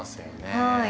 はい。